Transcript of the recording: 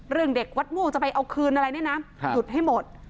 เด็กวัดม่วงจะไปเอาคืนอะไรเนี่ยนะหยุดให้หมด